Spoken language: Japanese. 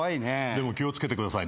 でも気を付けてください。